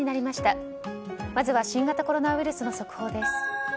まずは新型コロナウイルスの速報です。